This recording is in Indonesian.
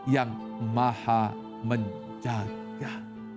yang maha menjaga